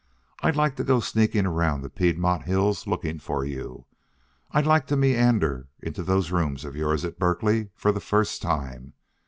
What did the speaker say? I'd like to go sneaking around the Piedmont hills looking for you. I'd like to meander into those rooms of yours at Berkeley for the first time.